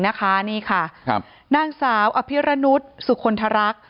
นางสาวอภิระนุษย์สุขลทรรัก